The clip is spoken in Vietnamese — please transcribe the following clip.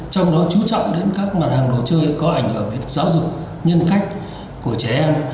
trong đó chú trọng đến các mặt hàng đồ chơi có ảnh hưởng đến giáo dục nhân cách của trẻ em